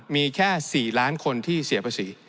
มีแค่๔ล้านคนที่เสียภาษี